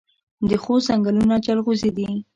د خوست ځنګلونه جلغوزي دي